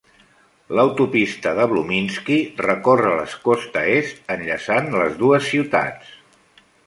L'autopista de Bluminski recorre la costa est, enllaçant les dues ciutats.